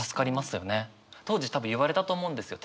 当時多分言われたと思うんですよ